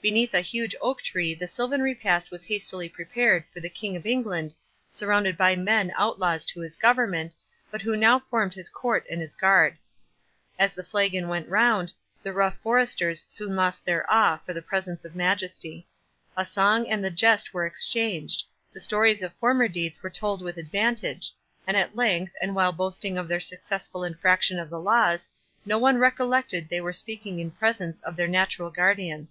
Beneath a huge oak tree the silvan repast was hastily prepared for the King of England, surrounded by men outlaws to his government, but who now formed his court and his guard. As the flagon went round, the rough foresters soon lost their awe for the presence of Majesty. The song and the jest were exchanged—the stories of former deeds were told with advantage; and at length, and while boasting of their successful infraction of the laws, no one recollected they were speaking in presence of their natural guardian.